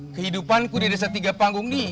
kehidupanku di desa tiga panggung ini